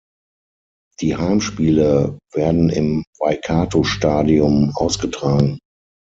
Die Heimspiele werden im Waikato Stadium ausgetragen.